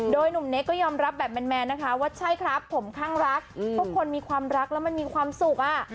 โดยหนุ่มเนคก็ยอมรับแบบแมนนะคะว่าใช่ครับผมข้างรักทุกคนมีความรักแล้วมันมีความสุขอ่ะ